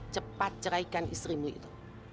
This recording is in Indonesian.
cepat ceraikan istrimu itu